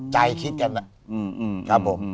ใจคิดกัน